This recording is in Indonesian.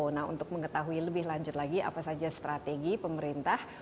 nah untuk mengetahui lebih lanjut lagi apa saja strategi pemerintah